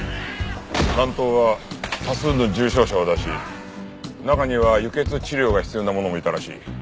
乱闘は多数の重傷者を出し中には輸血治療が必要な者もいたらしい。